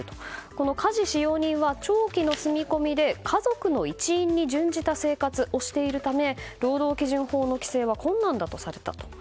この家事使用人は長期の住み込みで家族の一員に準じた生活をしているため労働基準法の規制は困難だとされたと。